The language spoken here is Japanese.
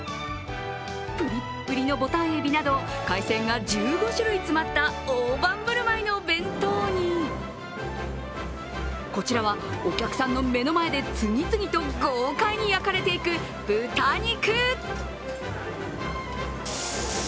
ぷりっぷりのぼたんえびなど海鮮が１５種類詰まった大盤ぶるまいの弁当にこちらはお客さんの目の前で次々と豪快に焼かれていく豚肉。